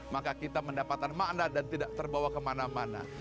maka kita mendapatkan makna dan tidak terbawa kemana mana